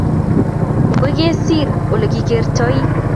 Magoy kesiir olegigertoi